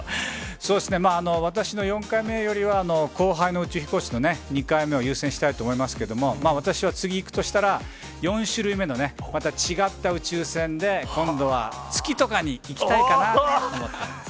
そうですね、私の４回目よりは後輩の宇宙飛行士の２回目を優先したいと思いますけれども、私は次行くとしたら、４種類目の、また違った宇宙船で、今度は月とかに行きたいかなと思ってます。